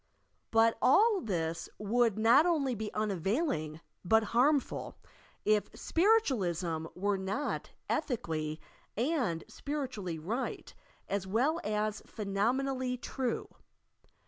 But all this would not only be unavailing, but harmful, if Spiritualism were not ethically and spiritually right as well as phenomen ally true.